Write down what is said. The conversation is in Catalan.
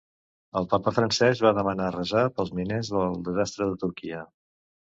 El papa Francesc va demanar resar pels miners del desastre de Turquia.